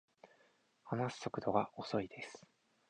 話す速度が遅いです